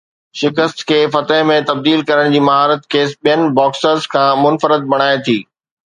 شڪست کي فتح ۾ تبديل ڪرڻ جي مهارت کيس ٻين باڪسرز کان منفرد بڻائي ٿي